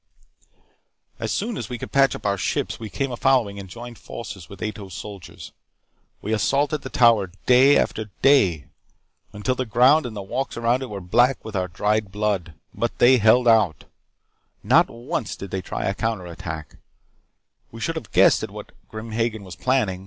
"As soon as we could patch up our ships, we came a following and joined forces with Ato's soldiers. We assaulted the Tower day after day. Until the ground and the walks around it were black with our dried blood. But they held out. Not once did they try a counter attack. We should have guessed at what Grim Hagen was planing.